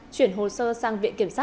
chuyển hồ sơ sang viện kiểm soát